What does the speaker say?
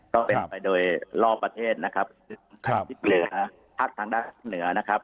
ก็เป็นไปโดยรอบประเทศนะครับทางทิศเหนือภาคทางด้านเหนือนะครับ